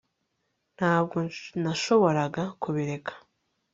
Ntabwo nashoboraga kubireka